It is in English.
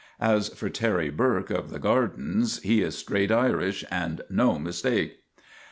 As for Terry Burke of the gar dens, he is straight Irish and no mistake.